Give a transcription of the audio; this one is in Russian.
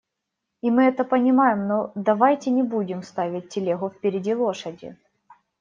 И мы это понимаем, но давайте не будем ставить телегу впереди лошади.